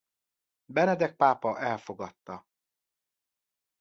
Benedek pápa elfogadta.